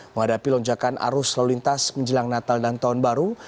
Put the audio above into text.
menghadapi lonjakan arus lalu lintas menjelang natal dan tahun baru